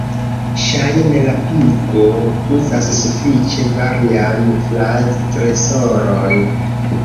Ŝajne la pigo uzas sufiĉe varian fraz-tresoron.